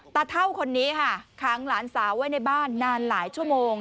เท่าคนนี้ค่ะค้างหลานสาวไว้ในบ้านนานหลายชั่วโมง